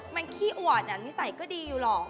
มันขี้อวดนิสัยก็ดีอยู่หรอก